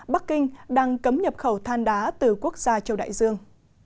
bắc kinh đang cấm nhập khẩu than đá từ quốc gia châu đại dương